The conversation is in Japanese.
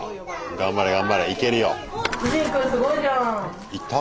頑張れ頑張れいけるよ。いった？